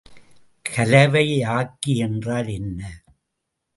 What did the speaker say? கலவையாக்கி என்றால் என்ன?